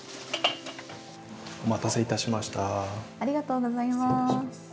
お待たせいたしました。